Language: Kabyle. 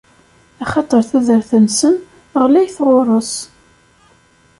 Axaṭer tudert-nsen ɣlayet ɣur-s.